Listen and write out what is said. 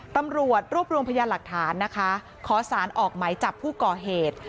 ตำรวจรวบรวมพยานหลักฐานนะคะขอสารออกไหมจับผู้ก่อเหตุ